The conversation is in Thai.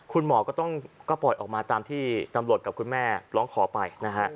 คุณหมอก็ต้องปล่อยออกมาตามที่ตำรวจกับคุณแม่ร้องขอไปนะฮะ